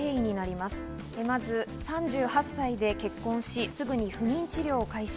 まず３８歳で結婚し、すぐに不妊治療を開始。